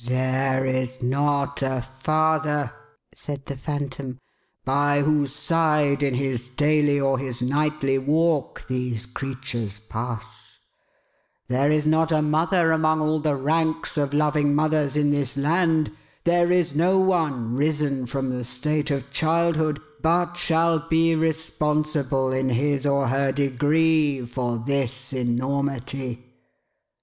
" There is not a father," said the Phantom, " by whose side in his daily or his nightly walk, these creatures pass; there is not a mother among all the ranks of loving mothers in DAYBREAK. 499 this land ; there is no one risen from the state of childhood, but shall be responsible in his or her degree for this enormitv.